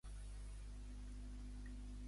Com és que Sintel, en trobar-lo, l'acaba per matar?